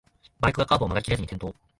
バイクがカーブを曲がりきれずに転倒